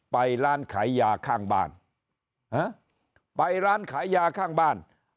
ไปร้านขายยาข้างบ้านฮะไปร้านขายยาข้างบ้าน